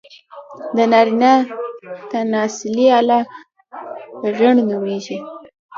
د نارينه تناسلي اله، غيڼ نوميږي.